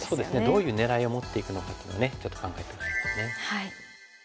どういう狙いを持っていくのかというのをねちょっと考えてほしいですね。